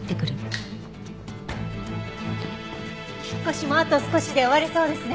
引っ越しもあと少しで終われそうですね。